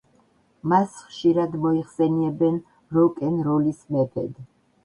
მას ხშირად მოიხსენიებენ „როკ-ენ-როლის მეფედ“.